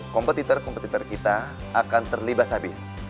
kompetitor kompetitor kita akan terlibat habis